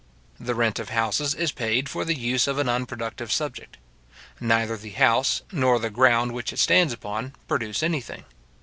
The rent of houses is paid for the use of an unproductive subject. Neither the house, nor the ground which it stands upon, produce anything.